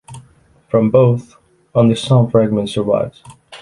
From both only some fragments survived.